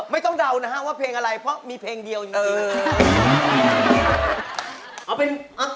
ไม่ต้องเดานะครับว่าเพลงอะไรเพราะมีเพลงเดียวจริง